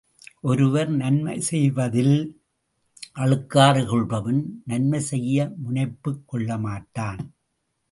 ஒருவர் நன்மை செய்வதில் அழுக்காறு கொள்பவன், நன்மை செய்ய முனைப்புக் கொள்ள மாட்டான்.